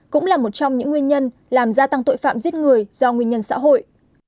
cũng là một trong những nguyên nhân làm gia tăng tội phạm giết người do nguyên nhân xã hội